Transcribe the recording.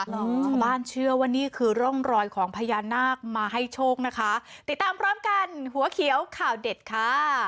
ชาวบ้านเชื่อว่านี่คือร่องรอยของพญานาคมาให้โชคนะคะติดตามพร้อมกันหัวเขียวข่าวเด็ดค่ะ